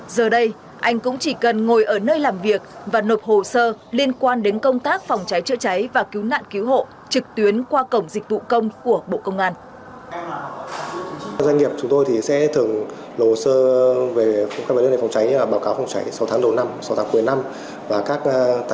giờ đây anh cũng chỉ cần ngồi ở nơi làm việc và nộp hồ sơ liên quan đến công tác phòng cháy chữa cháy của một trung tâm thương mại trên địa bàn thành phố hòa bình